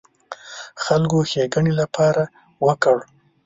خلکو ښېګڼې لپاره وکړ.